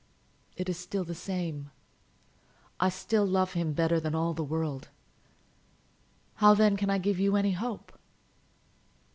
It is still the same. I still love him better than all the world. How, then, can I give you any hope?"